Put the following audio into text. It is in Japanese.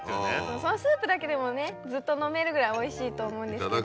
そのスープだけでもねずっと飲めるぐらいおいしいと思うんですけど。